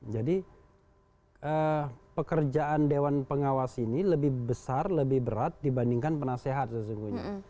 jadi pekerjaan dewan pengawas ini lebih besar lebih berat dibandingkan penasehat sesungguhnya